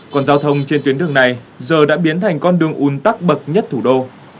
còn giao thông trên tuyến đường này giờ đã biến thành con đường un tắc bậc nhất thủ đô